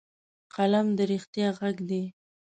قلم د رښتیا غږ دی